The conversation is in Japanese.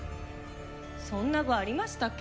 そんな部ありましたっけ？